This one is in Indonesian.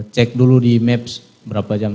cek dulu di maps berapa jam